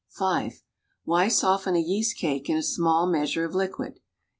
(.5) Why soften a yeast cake in a small measure of liquid?